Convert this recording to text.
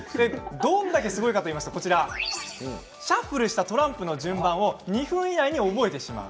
どれだけすごいかというとシャッフルしたトランプの順番を２分以内で覚えてしまう。